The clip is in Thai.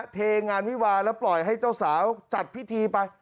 เทงานวิวาแล้วปล่อยให้เจ้าสาวจัดพิธีไป